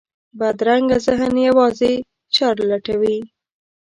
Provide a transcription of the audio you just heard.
بدرنګه ذهن یوازې شر لټوي